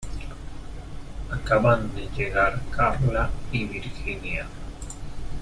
Acaban de llegar Carla y Virginia.